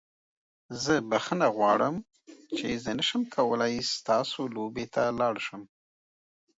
زه بخښنه غواړم چې زه نشم کولی ستاسو لوبې ته لاړ شم.